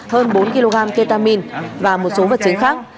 hơn bốn kg ketamine và một số vật chứng khác